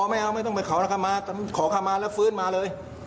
อ๋อไม่เอาไม่ต้องไปขอนะคะมาขอเข้ามาแล้วฟื้นมาเลย